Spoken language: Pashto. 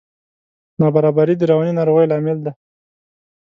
نابرابري د رواني ناروغیو لامل ده.